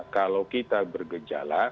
kalau kita bergeja